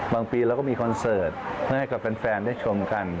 ปีเราก็มีคอนเสิร์ตให้กับแฟนได้ชมกัน